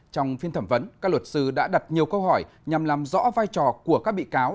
trong phiên thẩm vấn các luật sư đã đặt nhiều câu hỏi nhằm làm rõ vai trò của các bị cáo